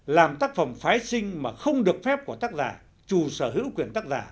làm tác phẩm phái sinh mà không được phép của tác giả trù sở hữu quyền tác giả